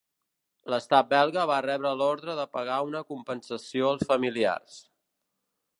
L'estat belga va rebre l'ordre de pagar una compensació als familiars.